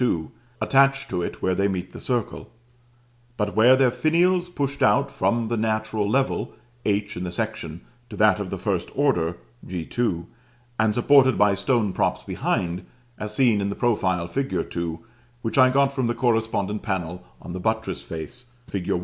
2, attached to it where they meet the circle, but with their finials pushed out from the natural level (h, in the section) to that of the first order (g_2) and supported by stone props behind, as seen in the profile fig. 2, which I got from the correspondent panel on the buttress face (fig.